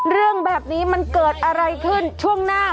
เรื่องแบบนี้มันเกิดอะไรขึ้นช่วงหน้า